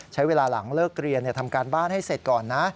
ใช้เวลาหลังเลิกเรียนทำการบ้านให้เสร็จก่อนนะ